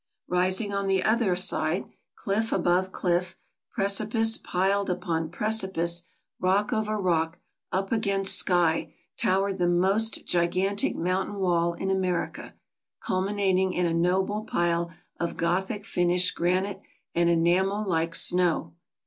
Rising on the other side, cliff above cliff, precipice piled upon precipice, rock over rock, up against sky, towered the most gigantic mountain wall in America, culminating in a noble pile of Gothic finished granite and enamel like snow.